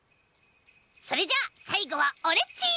それじゃさいごはオレっち！